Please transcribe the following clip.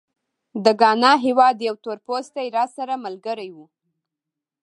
د ګانا هېواد یو تورپوستی راسره ملګری و.